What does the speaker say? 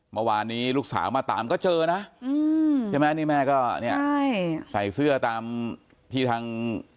เมื่อวานนี้ลูกสาวมาตามก็เจอนะใช่ไหมนี่แม่ก็เนี่ยใส่เสื้อตามที่ทาง